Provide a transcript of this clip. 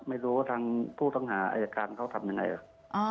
ไม่รู้ว่าทางผู้ต้องหาอายการเขาทำยังไงหรอ